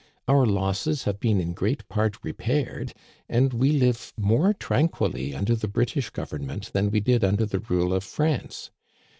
Our losses have been in great part repaired, and we live more tranquilly under the British Government than we did under the rule of France.